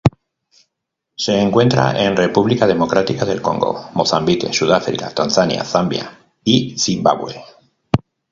Se encuentra en República Democrática del Congo, Mozambique, Sudáfrica, Tanzania, Zambia, y Zimbabue.